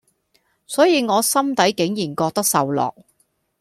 所以我心底竟然覺得受落